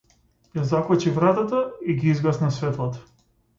Ја заклучи вратата и ги изгасна светлата.